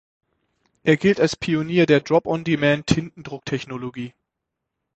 Er gilt als Pionier der "Drop-on-Demand"-Tintendrucktechnologie.